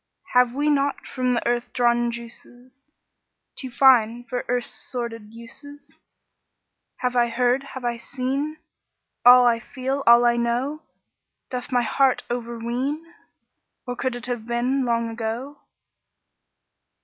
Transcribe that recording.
Have we not from the earth drawn juices Too fine for earth's sordid uses? Have I heard, have I seen All I feel, all I know? Doth my heart overween? Or could it have been Long ago?"